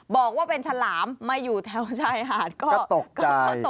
บอกว่าเป็นฉลามมาอยู่แถวชายหาดก็ตก